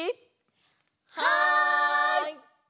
はい！